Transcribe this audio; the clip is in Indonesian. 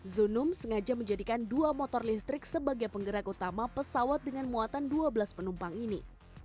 zunum sengaja menjadikan dua motor listrik sebagai penggerak utama pesawat dengan muatan dua belas penumpang ini